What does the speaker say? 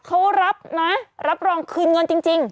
เขารับนะรับรองคืนเงินจริง